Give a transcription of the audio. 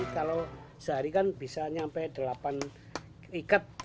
kalau sehari kan bisa nyampe delapan ikat